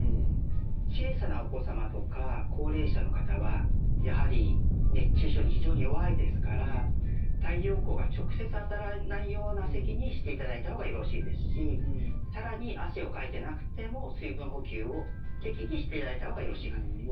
小さなお子様とか高齢者の方はやはり熱中症に非常に弱いですから太陽光が直接当たらないような席にしていただいたほうがよろしいですし更に、汗をかいてなくても水分補給を適宜していただいたほうがよろしいかと思います。